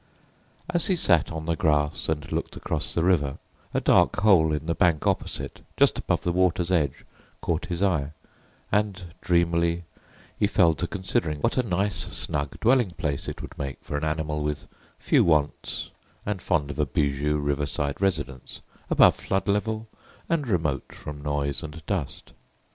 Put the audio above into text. As he sat on the grass and looked across the river, a dark hole in the bank opposite, just above the water's edge, caught his eye, and dreamily he fell to considering what a nice snug dwelling place it would make for an animal with few wants and fond of a bijou riverside residence, above flood level and remote from noise and dust.